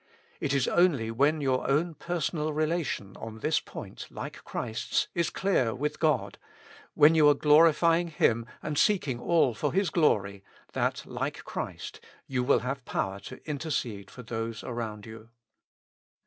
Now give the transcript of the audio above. It is only when your own personal relation on this point like Christ's, is clear with God, when you are glori fying Him, and seeking all for His glory, that, like Christ, you will have power to intercede for those around you.